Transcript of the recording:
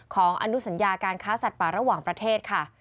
อนุสัญญาการค้าสัตว์ป่าระหว่างประเทศค่ะ